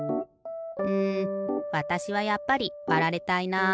うんわたしはやっぱりわられたいな。